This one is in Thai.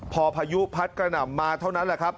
พอพายุพัดกระหน่ำมาเท่านั้นแหละครับ